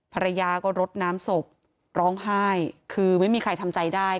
ภรรยาก็รดน้ำศพร้องไห้คือไม่มีใครทำใจได้